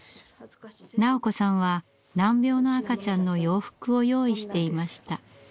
斉子さんは難病の赤ちゃんの洋服を用意していました。